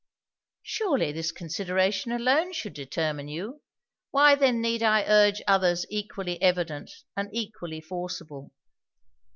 Surely this consideration alone should determine you why then need I urge others equally evident and equally forcible.'